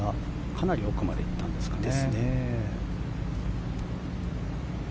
かなり奥まで行ったんですかね。